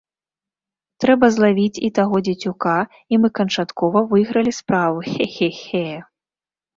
Трэба злавіць і таго дзецюка, і мы канчаткова выйгралі справу, хе-хе-хе!